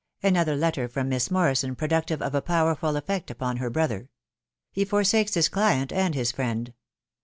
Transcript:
— AJTOfHER LETTER FROM MISS MORRISON PRODUCTIVE Or A POWERFUL EFFECT UFO* HSS RROTTpM HZ FORSAKES HIS CLIENT AND HIS FRIEND.